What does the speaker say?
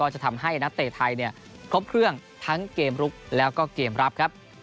จะทำให้นักเตะไทยครบเครื่องทั้งเกมลุกแล้วก็เกมรับครับ